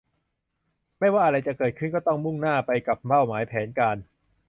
ไม่ว่าอะไรจะเกิดขึ้นก็ต้องมุ่งหน้าไปกับเป้าหมายแผนการ